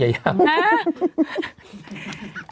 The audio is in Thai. ยะยำ